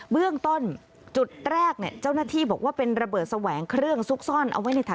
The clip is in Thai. เบื้องต้นจุดแรกเจ้าหน้าที่บอกว่าเป็นระเบิดแสวงเครื่องซุกซ่อนเอาไว้ในถัง